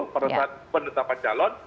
pada saat pendetapan calon